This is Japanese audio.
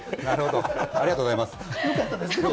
ありがとうございます。